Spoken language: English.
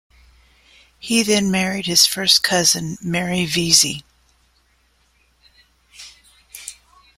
He then married his first cousin Mary Veazey.